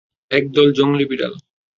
এক দল জংগলি বিড়াল!